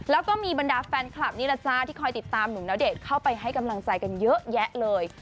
แล้วก็มีบรรดาแฟนคลับนี่แหละจ้าที่คอยติดตามหนุ่มณเดชน์เข้าไปให้กำลังใจกันเยอะแยะเลย